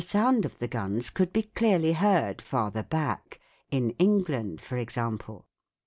sound of the guns could be clearly heard farther back in England , for example